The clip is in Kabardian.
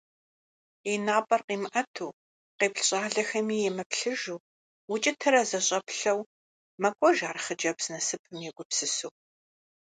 И напӏэр къимыӏэту, къеплъ щӏалэхэми емыплъыжу, укӏытэрэ зэщӏэплъэу мэкӏуэж ар хъыджэбз насыпым егупсысу.